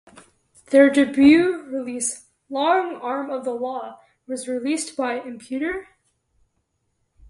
Their debut release "Long Arm of the Law" was released by imputor?